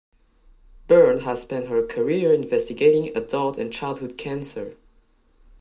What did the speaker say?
Byrne has spent her career investigating adult and childhood cancer.